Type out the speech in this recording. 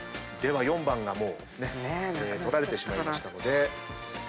では４番がもうね取られてしまいましたので。